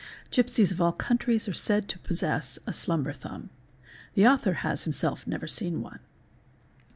Gipsies of all countries are said to possess a "slumber thumb"; the author has himself never seen one.